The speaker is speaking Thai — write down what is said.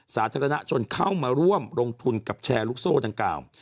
สาธารณชนเข้ามาร่วมลงทุนกับแชร์ลูกโซ่ดังกล่าว